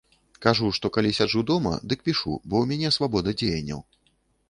Кажу, што калі сяджу дома, дык пішу, бо ў мяне свабода дзеянняў.